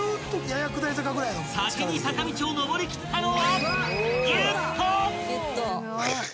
［先に坂道を上り切ったのは］